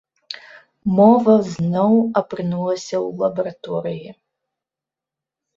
Мова зноў апынулася ў лабараторыі.